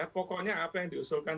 pokoknya apa yang diusulkan